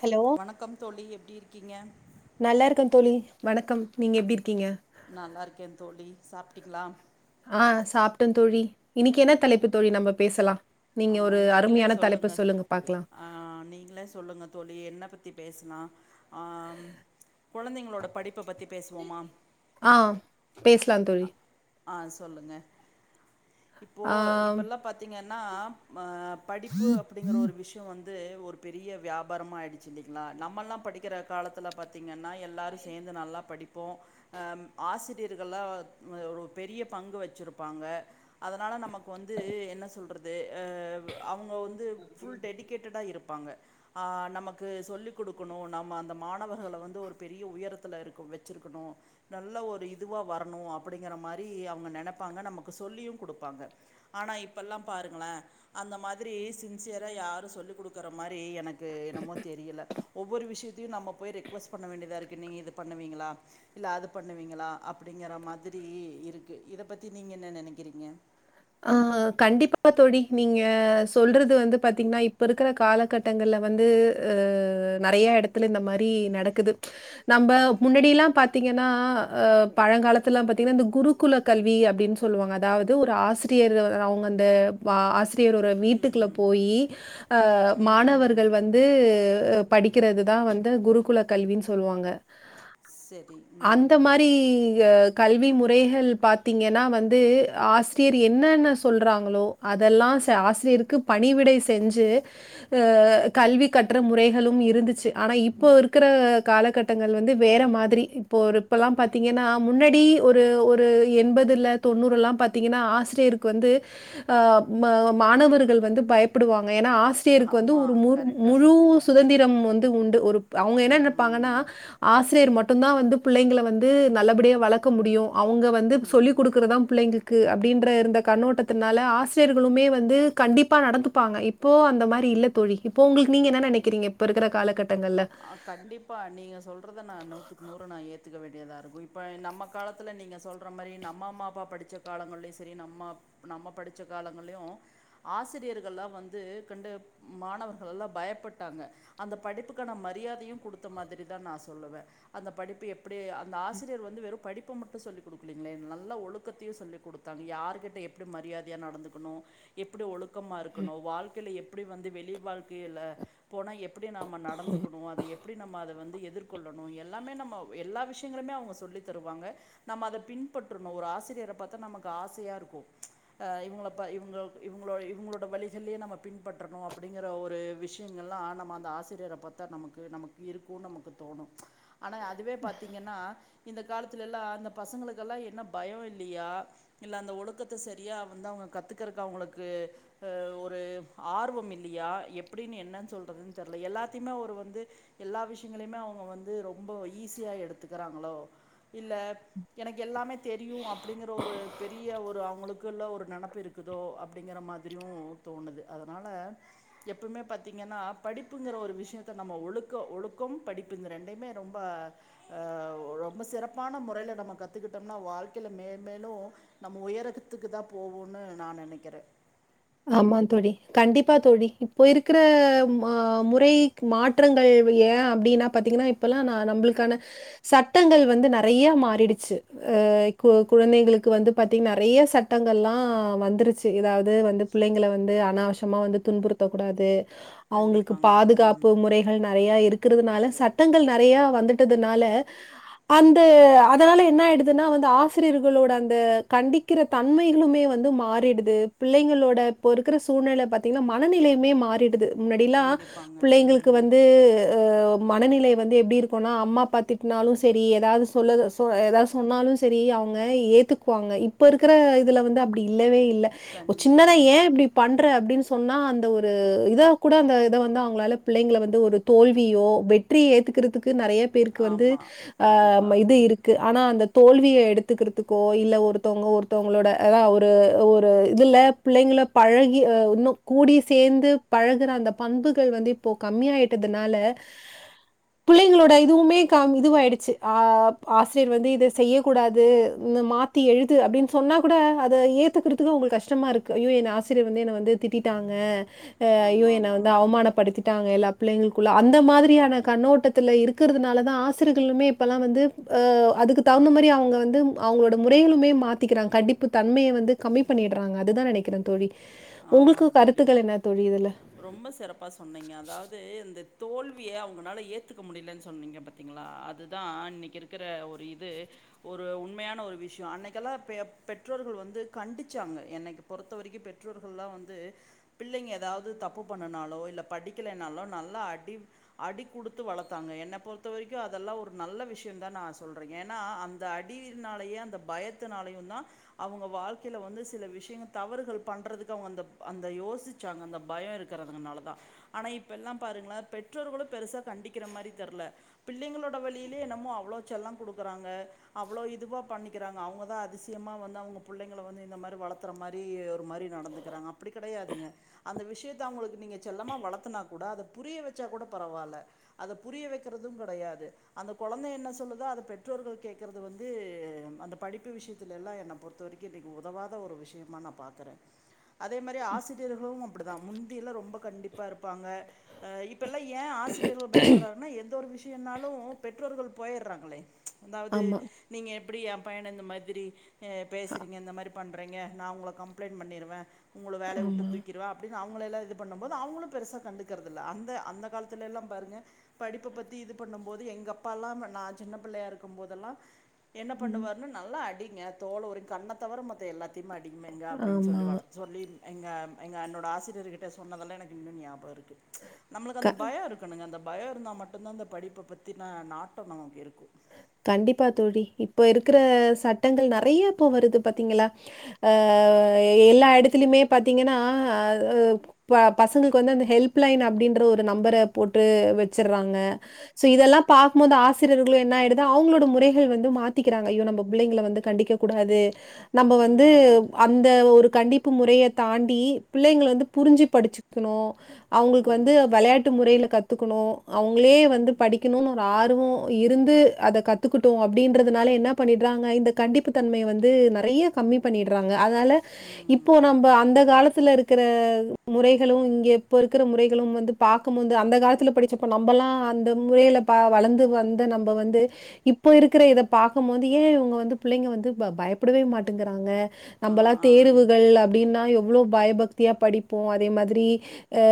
Hello வணக்கம் தோழி எப்டி இருக்கீங்க நல்லாருக்கேன் தோழி வணக்கம் நீங்க எப்டி இருக்கீங்க நல்லாருக்கேன் தோழி சாப்ட்டிங்ளா ஆ சாப்ட்டேன் தோழி இன்னைக்கு என்ன தலைப்பு தோழி நம்ம பேசலா ஆ நீங்க ஒரு நீங்களே அருமையான தலைப்பு சொல்லுங்க பாக்கலாம் ஆ நீங்களே சொல்லுங்க தோழி என்ன பத்தி பேசலா ஆ கொழந்தைங்ளோட படிப்ப பத்தி பேசுவோமா ஆ பேசலா தோழி ஆ சொல்லுங்க இப்போ ஆ இப்பல்லா பாத்தீங்கன்னா மா படிப்பு அப்படிங்கிற ஒரு விஷ் விஷயோ வந்து ஒரு பெரிய வியாபாரமா ஆயிடுச்சி இல்லீங்ளா நம்மெல்லா படிக்கிற காலத்துல பாத் திங்கன்னா எல்லாரு சேந்து நல்லா படிப்போ ஆ ம் ஆசிரியர்கள்லா ஒரு பெரிய பங்கு வெச்சிருப்பாங்க அதனால நமக்கு வந்து என்ன சொல்றத் இது ஆ அவுங்க வந்து ஃபுல் டெடிகேட்டடா இருப்பாங்க ஆ நமக்கு சொல்லிக் குடுக்கணு நம்ம அந்த மாணவர்கள வந்து ஒரு பெரிய உயரத்துல இருக்கு வெச்சிருக்கணு நல்ல ஒரு இதுவா வரணு அப்புடிங்கிற மாரி அவுங்க நெனைப்பாங்க நமக்கு சொல்லியு குடுப்பாங்க ஆனா இப்பல்லா பாருங்களே அந்த மாதிரி சின்சியரா யாரு சொல்லி் குடுக்குற மாதிரி எனக்கு க்கு என்னமோ தெரியல ஒவ்வொரு விஷயத்தையு நம்ம போய் ரெக்யூஸ்ட் பண்ண வேண்டியதா இருக்கு நீங்க இத பண்ணுவீங்களா இல்ல அது பண்ணுவீங்களா அப்படிங்கற மாதிரி இருக்கு இத பத்தி நீங்க என்ன நெனைக்கிறீங்க ஆ கண்டிப்பா தோழி நீங்க சொல்றது வந்து பாத்தீங்கன்னா இப்ப இருக்கற காலகட்ட கட்டங்கள்ல வந்து நறைய எடத்துல இந்த மாதிரி நடக்குது நம்ம முன்னாடியெல்லா பாத்தீங்கன்னா அ பழங்காலத்து எல்லா பாத்தீங்கன்னா இந்த குரு குல கல்வி அப்படின்னு சொல்லுவாங்க அதாவது ஒரு ஆசிரி யரிரு அ அவுங்க அந்த வா ஆசிரியர் ஒரு வீட்டுக்குள்ள ம். போயி ஆ ம், ம். மாணவர்கள் வந்து அ படிக்கிறது தா வந்து குருகுல கல்வின்னு சொல்லுவாங்க சரி. ம், அந்த ம். மாரி ஆ கல்வி முறைகள் பாத்தீங்கன்னா வந்து ஆசிரியர் என்னென்னா சொல்றாங்களோ அதெல்லா ஆசிரியருக்கு பணிவிடை செஞ்சி கல்வி கற்ற முறைகளும் இருந்துச்சு ஆனா இப்போ காலகட் டங்கள் வந்து வேற மாதிரி இப்போ ஒரு இப்பல்லா பாத்தீங்கன்னா முன்னாடி ஒரு ஒரு எண்பதுல தொண்ணூறு எல்லா பாத்தீங்கன்னா ஆசி ஆசிரியருக்கு வந்து ம ம மாணவர்கள் வந்து பயப்படுவாங்க ஏன்னா ஆசி யருக்கு வந்து ஒரு ஆமாம் முரு கரெக்டாக முழு சொல்கிறீங்க சுதந்திரம் வந்து உண்டு ஒரு அவங்க என்ன நெனைப்பாங்கன்னா ம் ஆசிரியர் மட்டும் தா வந்து பிள்ளைங்கள வந்து நல்லபடியா வளக்க முடியு அவுங்க வந்து சொல்லிக் குடுக்கறதுதா பிள்ளைங்களுக் கு அப்டின் ற இருந்த கண்ணோட்டத்துனால ஆசிரியர்களுமே வந்து நடந்துப்பாங்க இப்போ அந்த மாரி இல்ல தோழி இப்போ உங்களுக்கு நீங்க என்ன நெனைக்கிறீங்க இப்ப இருக்கிற காலகட்டங்கள்ல ஆ கண்டிப்பா நீங்க சொல்றத நான் நூத்துக்கு நூறு நான் ஏத்துக்க வேண்டியதா இருக்கு இப்ப நம்ம காலத் ல நீங்க சொல்ற மாரி நம்ம அம்மா அப்பா படிச்ச காலங்கள்லையு செரி நம்ம நம்ம படிச்ச காலங்கள்லையு ஆசிரியர்கள்லா வந்து கண்டு மாணவர்கள் எல்லா பயப்பட்டாங்க அந்த படிப்புக்கு அதுங்கான மரியாதையும் குடுத்த மாதிரி தா நான் சொல்லுவே அந்த படிப்பு எப்டி அந்த ஆசிரியர் வந்து வெறும் படிப் படிப்ப மட்டு சொல்லி் குடுக்கலீங்களே நல்ல ஒழுக்கத்தையு சொல்லி குடுத்தாங்க யாரருகிட்ட எப்புடி மரியாதையா நடந்துக்கணு எப்பிடி ஒழுக்கமா இருக்கணு வாழ்க்கைல எப்டி வந்து வெளி வாழ்க்கியில போனா எப்பிடி நாம ந டந்துக்கணு அத எப்டி நம்ம அத வந்து எதிர் கொள்ளணு எல்லாமே நம்ம எல்லா விஷயங்களுமே அவுங்க சொல்லி தருவாங்க நம்ம அத பின்பற்றணு ஒரு ஆசிரியர பாத்தா நமக்கு ஆசையா இருக்கு ஆ இவங்கள பா இவங்க இவங்களோட இவங்களோட வழிகள்லயே நம்ம பின்பற்றணு அப்படிங்கற ஒரு விஷ் ளைங்க நம்ம அந்த ஆசிரியரை பத்த துல நமக்கு நமக்கு இருக்கு நமக்கு தோணு ஆனா அதுவே பாத்தீங்கன்னா இந்த காலத்துல எல்லாம் அந்த பசங்களுக்கு எல்லா என்ன பயோ இல்லையா இல்ல அந்த ஒழுக்கத்த செரியா வந்து அவுங்க கத்துக்கறக்கு அவுங்களுக்கு அ ஒரு ஆர்வம் இல்லையா எப்புடின்னு என்னன் சொல்றதுன்னு தெர்ல எல்லாத் த்திமே ஒரு வந்து எல்லா விஷயங்களுமே அவுங்க வந்து ரொம்ப ஈஸியா எடுத்துக்கறாங்களோ இல்லப் எனக்கு எல்லாமே தெரியு அப்புடிங்கற ஒரு பெரிய ஒரு அவங்களுக்குள்ள ஒரு நெனப்பு இருக் க்குதோ அப்டிங்கிற மாதிரியு தோணுது அதனால எப்பமே பாத்தீங்கன்னா படிப்புங்கற ஒரு விஷ் யத்த நம்ம ஒழுக்கொ ஒழுக்கொம் படிப்பு இந்த ரெண்டைமே ரொம்ப ஆ ஒ ரொம்ப சிறப்பான முறையில நம்ம கத்துக்கிட்டோம்னா வாழ்க்கைல மேல் மேலூ நம்ம உயரகத்துக்கு தா போவோன்னு நா நெனைக்கிற ஆமா தோழி கண்டிப்பா தோழி இப்போ இருக்ற மா முறை மாற்றங்கள்வு ஏ அப்டின்னா பாத்தீங்கன்னா இப்பல்லா நா நம்புளுக்கான சட்டங்கள் வந்து நறைய மாறிடுச்சு அ கு குழந்தைங்களுக்கு வந்து பாத்தீங்க் நறைய சட்டங்கள்லா வந்துருச்சு எது அதே வந்து பிள்ளைங்கள வந்து அனாவசமா வந்து துன்புறுத்தக்கூடாது அவங்களுக்கு கண்டிப்பாங்க ம் பாதுகாப்பு முறை கள் நறையா இருக்றதுனால சட்டங்கள் நறையா வந்துட்டதுனால அந்த அதனால என்ன ஆயிடுதுன்னா வந்து ஆசிரியர்களோட அந்த கண்டிக் கிற தன்மைகளுமே வந்து மாறிடுது பிள்ளைங்களோ ட இப்ப இருக்ற சூழ்நில பாத்தீங்ன்னா மனநிலைமே மா றிடுது முன்னாடிலா கண்டிப்பாங்க பிள்ளைங்களுக்கு ம் வந்து அ மனநிலை வந்து எப்டி இருக்குனா அம்மா அப்பா திட்னாலு செரி எதாது சொல்லது சொ ஏதா சொன்னாலு செரி அவங்க ஏத்துக்குவாங்க இப்போ இருக்ற இதுல வந்து அப்டி இல்லவே இல்ல கண்டிப்பாங்க நீ பண்ற அப்டின் சொன்னா அந்த ஒரு இதா கூட அந்த இத வந்து அவங்களால பிள்ளைங்கள வந்து ஒரு தோல்வியோ வெற்றி ஏத்துக்கிறதுக்கு நறைய பேருக்கு வந்து ஆமா ஆ கண்டிப்பா ம இது இரு க்கு ஆனா அந்த தோல்விய எடுத்துக்கிறதுக்கோ இல்ல ஒருத்தவங்க ஒருத்தவங்களோட அலா ஒரு ஒரு இதுல பிள்ளைங்கள பழகி அ இன்னு கூடி சேந்து பழகுற அந்த பண்புகள் வந்து இப்போ கம்மி ஆய்ட்டதுனால [inaudible] பிள்ளைங்களோட இதுவுமே கா இது ஆயிடுச்சு ஆப் ஆசிரியர் வந்து இத செய்யக்கூடாது இந்த மா த்தா எழுது அப்டின் சொன்னா கூட அத ஏத்துக்கிறதுக்கு அவங்களு கஷ்டமா இருக் கயோ என் ஆசிரியர் வந்து என்ன வந்து திட்டிட்டாங்க அ அய்யோ ஆமா என்ன ஆமா வந்து அவமானப்படுத்தி ட்டங்க எல்லா பிள்ளைங்களுக்குள்ள அந்த மாதிரியான கண்ணோட்டத்துல இருக்கறதுனால தா ஆசிரியகளுமே இப்பல்லா வந்து அ அதுக்கு தகுந்த மாரி அவங்கள வந்து அவங்களோட முறைகளுமே மாத்திக்கிறாங்க கடுப்பு தன்மைய வந்து கம்மி பண்ணிடுறாங்க அதுதா நெனைக்கிறே தோழி உங்களுக்கு ஆமாங்க தோழி கருத்துக்கள் என்ன தோழி இதுல ரொம்ப சிறப்பா சொன்னீங்க அதாவ்து இந்த தோல்விய அவங்கனால ஏத்துக்க முடியிலன் சொன்னீங்க பாத் தீங்ளா அதுதா இன்னிக்கு இருக்ற ஒரு இது ஒரு உண்மையான ஒரு விஷ்யோ அன்னைக்கெல்லா பெ பெற்றோர்கள் வந்து கண்டிச்சாங்க எனக்கு பொறுத்த வரைக்கூ பெற்றோர்கள்ல்லா வந்து பிள்ளைங்க எதாவ் ந்து தப்பு பண்ணனாலோ இல்ல படிக்கலனாலோ நல்லா அடி அடி குடுத்து வளத்தாங்க என்ன பொறுத்த வரைக்கு அதல்லா ஒரு நல்ல விஷ்யோந்தான் நா சொல்றே ஏன்னா அன் அந்த அடியினாலயே அந்த பயத்துனாலயு தா அவங்க வாழ்க்கில வந்து சில விஷ்யங்கள் தவறுகள் பண்றதுக்கு அவங்க அந்த அந்த யோசிச்சாங்க அந்த பயோ இருக்கறதுகுனால தா ஆனா இப்ப எல்லா பாருங்கள பெற்றோர்களு பெருசா கண்டிக்கிற மாரி தெர்ல பிள்ளைங்களோட வழியிலே என்னமோ அவ்ளோ செல்லொ குடுக்குறாங்க அவ்வளோ இதுவா பண்ணி க்கிறாங்க அவங்கதா அதிசியமா வந்து அவங்க புள்ளைங்கள வந்து இந்த மாரி வளர்த்துற மாரி ஒரு மாரி நடந்துக்குறாங்க அப் பிடி கெடையாதுங்க அந்த விஷியத்த அவங்களுக்கு நீங்க செல்லமாக வளத்துனா கூட அத புரிய வச்சா கூட பரவால்ல அத புரிய வெக்கிறதும் கெடையாது அந்த கொழந்த என்ன சொல்லுதோ அத பெற்றோர்கள் கேக்கறது வந்து அந்த படிப்பு விஷியத்துல எல்லா என்ன பொறுத்த வரை திக்கு உதவாத ஒரு விஷியமா நா பாக்கினறே அதே மாரி ஆசிரியர்களு நம் ப்படிதா முந்தியில ரொம்ப கண்டிப் பா இருப்பாங்க அ இப்பெல்லா ஏ ஆசிரியர்கள் பயப்பற்றான்னா எந்த ஒரு விஷ் யன்னாலு பெற்றோர்கள் போயிற்றாங்களே அதாவது ஆமா. நீங்க எப்படி எ பையன இந்த மாதிரி அ பேசுறீங்க இந்த மாரி பண்றீங்க நா உங்கள கம்ப்ளைண்ட் பண்ணிருவே உங்கள வேலைய உட்டு ஆமா. தூக்கிருவே அப்படின்னு அவங்கள எல்லா இது பண்ணும்போது அவங்களு பெருச கண்டுக்கறதில்ல அந்த அந்த காலத்துல எல்லா பாருங்க படிப்ப பத்தி இது பண்ணும் போது எங்க அப்பா எல்லா நா சின்ன புள்ளையா இருக்கும் போதெல்லா என்ன ம். பண்ணுவாருன்னா நல்லா அடிங்க தோல்ல உரி கண்ண தவிர மத்த எல்லாத்தைம் அடிங்மேங்கே அப்டின் ஆமா. சொல்லி வளத் சொல்லி எங்க எங்க அண்ணோட ஆசிரியர்கிட்டே சொன்னதெல்லா எனக்கு இன்னு ஞாபக இருக்கு நம்மளுக்கு அந்த பயோ இருக் பண்ணுங்க அந்த பயோ இருந்தா மட்டுந்தா இந்த படிப்ப பத்தின நாட்டோம் நமக்கு இருக்கு இருக்கு கண்டிப்பா தோழி இப்போ இருக்கிற சட்டங்கள் நறைய இப்போ வருது பாத்தீங்களா அ எல்லா எடத்துலயுமே பாத்தீங்கன்னா அ ப்ப பசங்களுக்கு வந்து அந்த ஹெல்ப் லைன் அப்படின்ற ஒரு நம்பர போட்டு வச்சறாங்க சோ இதெல்லா பாக்கும்போது ஆசிரியர்களு என்ன எடு அதா அவங்களோட முறைகள் வந்து மாத்திக்கிறாங்க ஐயோ நம்ப புள்ளைங்கள வந்து கண்டிக்க கூடாது நம்ம வந்து ம் அந்த ஒரு கண்டிப்பு முறைய தாண்டி பிள்ளைங்கல வந்து புரிஞ்சி படிச்சிக்கணு அவுங்களுக்கு ம் வந்து வளையாட்டு முறையில கத்துக்கணு அவுங்களே வந்து படிக்கணுன்னு ஒரு ஆருவோ இருந்து அத கத்துக்குட்டோ அப்படின்றதுனாலே என்னா பண்ணிற்றாங்க இந்த கண்டிப்பு தன்மைய வந்து நறைய கம்மி பண்ணிற்றாங்க அதனால இப்போ ம் நம்ப அந்த காலத்துல இருக்கிற முறைகளு இங்க இப்போ இருக்கிற முறைகளு வந்து பாக்கும்போது அந்த காலத்தில் படிச்சப்போ நம்பல்லா அந்த முறையில்ப வளந்து வந்த நம்ப வந்து இப்ப இருக்கிற இத பாக்கும் போது ஏ இவுங்க வந்து பிள்ளைங்க வந்து ப பயப்படவே மாட்டேங்கிறாங்க ஆ நம்பல்லா ஆ தேருவுகள் அப்படின்னா எவ்ளோ பயபக்தியா படிப்போ அதே மாதிரி அ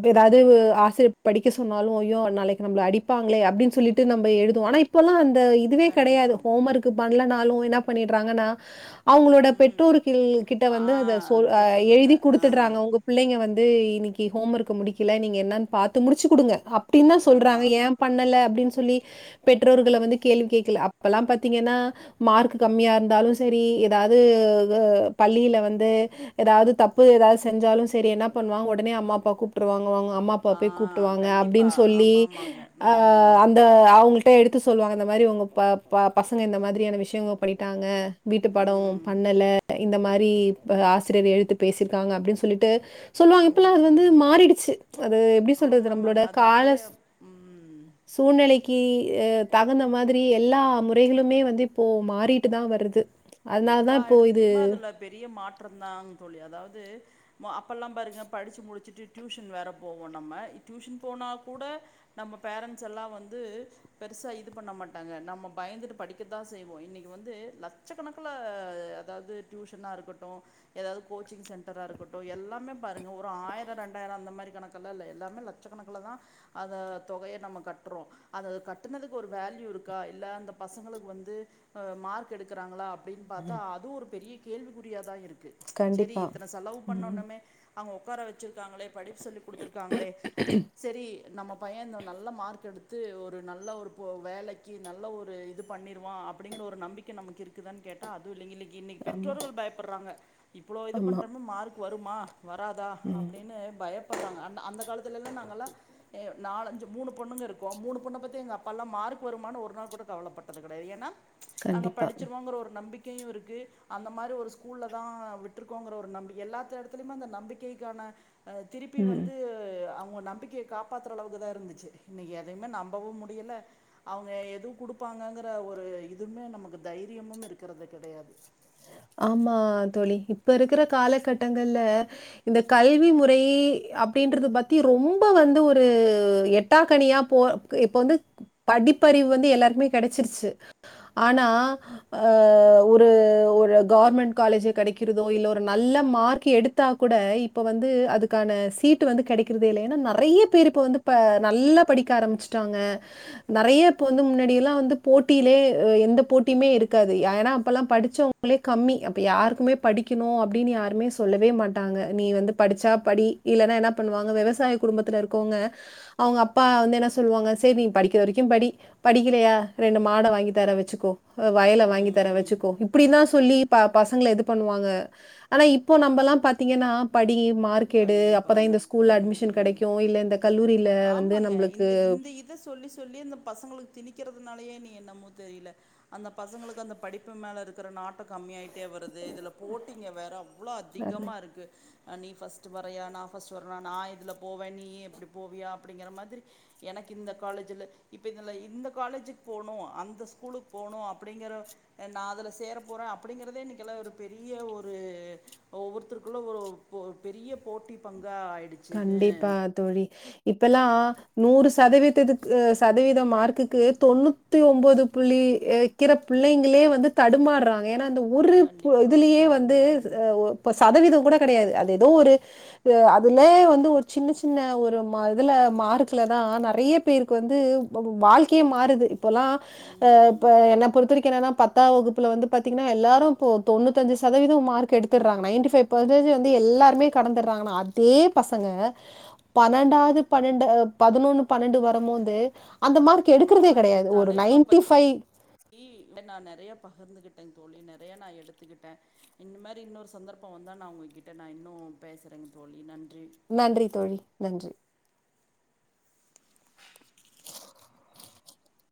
இது எதாவது ஆசிரியர் படிக்க சொன்னாலு ஐயோ நாளைக் நம்மள அடிப்பாங்களே அப்படின் சொல்லி ட்டு நம்ப எழுதுவோ ஆனா இப்பல்லா அந்த இதுவே கடையாது கண்டிப்பாங்க ஹோம் ஒர்க்கு பண்லனாலு என்ன பண்ணிற்றாங்கன்னா அவங்களோட ம் பெற்றோருகள் கிட்ட ஆ வந்து அத சொல் அ இதை எழுதி சொல்லுங்கள் ஆ குடுத்துற்றாங்க உங்க பிள்ளைங்க வந்து இன்னைக்கி ஹோம் ஒர்க்கு முடிக்கல நீங்க என்னன் பாத்து முடிச்சி குடுங்க அப்டின் தா சொல்றாங்க அதான் ஏம் பண்ணல அப்படின் சொல்லி பெற்றோர்கள வந்து கேள்வி கேக்கல அப்பல்லாம் பாத்தீங்கன்னா மார்க்கு கம்மியா இருந்தாலு சரி எதாவது பள்ளியில வந்து எதாவது தப்பு எதாவது செஞ்சாலு சரி என்ன பண்ணுவாங ஒடனே அம்மா அப்பா கூ ட்டுருவாங்க அவங்க அம்மா அப்பா ஆ போய் கூப்ட்டு வாங்க அப்டின் கண்டிப்பாக சொல்லி ஆமாம் ஆமாங்க அ ம் அந்த அவங்க கிட்ட எடுத்து சொல்லுவாங்க இந்த மாரி உங்க ப ப பசங்க இந்த மாதிரியான விஷ்யங்கள் பண்ணிட்டாங்க வீட்டு பாடோ ம் பண்ணல இந்த மாரி ஆசிரியர் எதுத்து பேசிருக்காங்க அப்டின் சொல்லிட்டு சொல்லுவாங் இப்பல்லா ம் அது வந்து ம் மாறிடுச்சு அது எப்படி ஆமா சொல்றது ஆமாங்க. நம்மளோட அது கால அப்டியே ம் சூழ்நிலைக்கி அ தகுந்த மாதிரி எல்லா முறைகளுமே வந்து இப்போ மாறிட்டுதா வருது அதனால எல்லா தான் இப்போ இது எடத்துலயுமே அதுல பெரிய மாற்றம்தாங் தோழி அதாவது அப்பெல்லாம் பாருங்க படிச்சி முடிச்சிட்டு டியூஷன் வேற போவோ நம்ம டியூஷன் போனா கூட நம்ம பேரண்ட்ஸ் எல்லா வந்து பெருசா இது பண்ண மாட்டாங்க நம்ம பயந்துட்டு படிக்கத்தான் செய்வோ இன்னைக்கி வந்து லட்சக் க்கணக்குல அதாவது டியூஷன்னா இருக்கட்டு எதாவது கோச்சிங் சென்டரா இருக்கட்டு எல்லாமே பாருங்க ஒரு ஆயிர ரெண்டாயிர அந்த மாரி கணக்கெல்லா இல்ல எல்லாமே லட் லட்சக்கணக்குலதா அந்த தொகைய நம்ம கற்றோ அத கட்டுனதுக்கு ஒரு வேல்யூ இருக்கா இல்ல அந்த பசங்களுக்கு வந்து அ மார்க் எடுக்க றாகளா அப்டின் பாத்தா அதுவு ஒரு பெரிய கேள்விக்குறியாதா இருக்கு சரி கண்டிப்பா. இத்தன செலவு ம். பண்ணுணோமே அவுங் உக்கார வச்சிருக்காங்களே படிப்பு சொல்லி குடுத்திருக்காங்களே சரி நம்ம பைய இந்த நல்ல மார்க் எடுத்து து ஒரு நல்ல ஒரு வேலைக்கி நல்ல ஒரு இது பண்ணிருவா அப்படிங்கிற ஒரு நம்பிக்கை நமக்கு இரு க்குதானு கேட்டா அதுவு இல்லைங்க இன்னைக்கி இன்னைக்கி ஆமா, பெற்றோர்கள் பயப்படுறாங்க இவ்ளோ இது ஆமா. பண்றோமே மார்க் வருமா வராதா ம். அப்டின்னு பயப்படுறாங்க அந்த அந்த காலத்துலல்லா நாங்கள்லா ஏ நாலு அஞ்சு மூனு பொண்ணுங்க இருக்கோம் மூனு பொண்ணப் பத்தியு எங்க அப்பாலா மார்க் வருமானு ஒரு நாள் கூட கவலைப்பட்டது கெடையாது ஏன்னா நாங்க கண்டிப்பா. படிச் சிருவோ ஒரு நம்பிக்கையு இருக்கு அந்த மாரி ஒரு ஸ்கூல்லதா விட்டுருக்கோங்கற ஒரு நம்பிக்கை எல்லாத்த எடத்தலுமே அந்த நம்பிக்கை வந்தோன திருப்பி ம். வந்து அவுங்க நம்பிக்கை காப்பாத்துற அளவுக்கு தா இருந்துச்சு இன்னைக்கி எதையுமே நம்பவு முடியல அவுங்க எதுவு குடுப்பாங்கங்கற ஒரு இதுமே நமக்கு தைரியமும் இருக்கறது கெடையாது ஆமா தோழி இப்ப இருக்கற காலகட்டங்கள்ல இந்த கல்வி முறை அப்டின்றது பத்தி ரொம்ப வந்து ஒரு எட்டாக்கனியா போ இப்ப வந்து படிப்பறிவு வந்து எல்லாருக்மே கெடைச்சிருச்சி ஆனா ஆ ஒரு ஒரு கவர்மெண்ட் காலேஜ் கெடைக்கிறதோ இல்ல ஒரு நல்ல மார்க் எடுத்தா கூட இப் இப்ப வந்து அதுக்கான சீட் வந்து கெடைக்கறதே இல்ல ஏன்னா நெறைய பேரு இப்ப வந்து நல்லா படிக்க ஆரம்பிச் ட்டாங்க நெறையா இப்ப வந்து முன்னாடியெல்லா வந்து போட்டியிலே எந்த போட்டியுமே இருக்காது ஏன்னா அப்பெல்லா படிச்சவங்க ளே கம்மி அப்போ யாருக்குமே படிக்கணு அப்டின்னு யாருமே சொல்லவே மாட்டாங்க நீ வந்து படிச்சா படி இல்லன்னா என்ன பண்ணுவாங்க வெவசாய குடும்பத்துல இருக்கவங்க அவங்க அப்பா வந்து என்ன சொல்லுவாங்க செரி நீ படிக்கிற வரைக்கு படி படிக்கலையா ரெண்டு மாட வாங்கி தர வச்சக்கோ வயல வாங்கி தர ம், வச்சுக்கோ இப்டி தா சொல்லி பசங்கள இது பண்ணுவாங்க ஆனா இப்போ நம்மல்லா பாத்தீங்கன்னா படி மார்க் கெடு அப்பதா கண்டிப்பாங்க இந்த ஸ்கூல்ல அட்மிஷன் ம் கெடைக்கு இல்ல இந்த கல்லூரியில வந்து ஆமாங்க நம்ளுக்கு இந்த இந்த இத சொல்லி சொல்லியே இந்த பசங்களுக்கு திணிக்கறதுனாலயோ எண்ணமோ தெரியல அந்த பசங்களுக்கு அந்த படிப்பு மேல இருக்கிற நாட்டோ கம்மி ஆயிட்டே வருது இதுல போட்டிங்க வேற எவ்ளோ அதிகமா இருக்கு அ நீ ஃபஸ்ட் ஃப்ஸ்ட் வரயா நா ஃபஸ்ட் வரனா நா இதுல போவே நீ எப்டி போவியா அப்டிங்கிற மாதிரி எனக்கு இந்த காலேஜூல இப்ப இதுல இந்த காலேஜுக்கு போணு அந்த ஸ்கூலுக்கு போணு அப்படிங்கற நா அதுல சேர போற அப்படிங்கறதே இன்னைக்கு எல்லா ஒரு பெரிய ஒரு ஒவ்வொருத்தருக்குள்ள ஒரு ஒ பெரிய போட்டி பங்கா ஆயிடுச்சு கண்டிப்பா தோழி இப்பல்லா நூறு சதவீதத்துக்கு சதவீத மார்க்குக்கு தொண்ணு த்தி ஒம்போது புள்ளி வைக்கிற புள்ளங்களே வந்து தடுமாடறாங்க ஏன்னா அந்த ஒரு கண்டிப்பா இதுலயே வந்து ம் ஆ ஒ இப்ப சதவீதோ கூட கெடையாது அது ஏதோ ஒரு ஆ அதுலே வந்து ஒரு சின்ன சின்ன ஒரு இதுல மார்க்ல தா நெறைய பேரு க்கு வந்து வாழ்க்கயே மாறுது இப்பல்லா ஆ ம் ப என்ன பொறுத்தவரைக்கு என்னன்னா பத்தா வகுப்புல வந்து பாத்தீங்கன்னா எல்லாரு இப்ப தொண்ணூத்தஞ்சு சதவீதோ மார்க் எடுத் எடுத்துட்றாங்க நைன் பைவ் பர்சன்டேஜ் வந்து எல்லாருமே கடந்துடுறாங்க ஆனா அதே பசங்க பன்னெண்டாவது பன்னெண்டு பதினொன்னு பன்னெண்டு வரும்போது அந்த மார் ஆ கெடுக்கறதே கெடையாது ஒரு நைன்டி ஃபைவ் ழி நா நெறையா பகிர்ந்துகிட்டேன் தோழி நா நறையா எடுத்துக்கிட்ட இந்த மாதிரி இன்னொரு சந்தர்ப்பம் வந்தா நா உங்ககிட்ட நா இன்னு பேசுறெங் தோழி நன்றி நன்றி தோழி நன்றி